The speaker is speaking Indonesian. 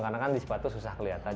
karena kan di sepatu susah kelihatan